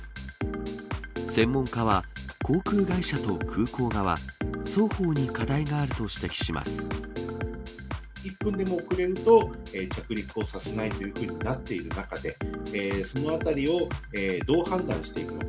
専門家は、航空会社と空港側、１分でも遅れると、着陸をさせないというふうになっている中で、そのあたりをどう判断していくのか。